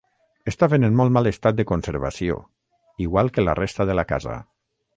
Estaven en molt mal estat de conservació, igual que la resta de la casa.